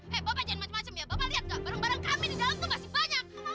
hei bapak jangan macem macem ya bapak liat nggak barang barang kami di dalam tuh masih banyak